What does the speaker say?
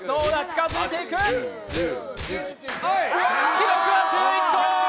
記録は１１個！